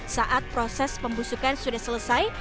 saat proses pembusukan sudah selesai